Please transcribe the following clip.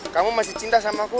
kamu masih cinta sama aku